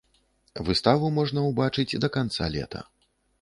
Выставу можна ўбачыць да канца лета.